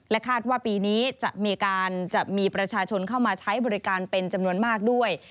คาดว่าปีนี้จะมีประชาชนเข้ามาใช้บริการเป็นจำนวนมากด้วย